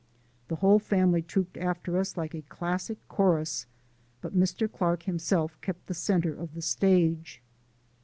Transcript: The whole family trooped after us like a classic chorus, but Mr. Clark himself kept the centre of the stage.